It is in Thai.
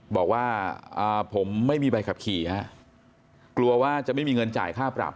บอกว่าผมไม่มีใบขับขี่ฮะกลัวว่าจะไม่มีเงินจ่ายค่าปรับ